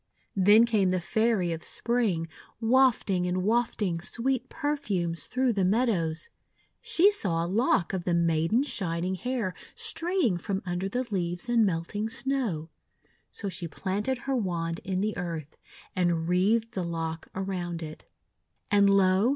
Then came the Fairy of Spring, wafting and wafting sweet perfumes through the meadows. She saw a lock of the maiden's shining hair THE OLD WITCH 137 straying from under the leaves and melting Snow; so she planted her wand in the earth, and wreathed the lock around it. And, lo!